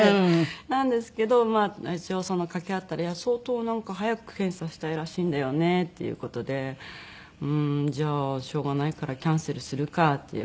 なんですけど一応かけ合ったら相当なんか早く検査したいらしいんだよねっていう事でじゃあしょうがないからキャンセルするかっていう事で。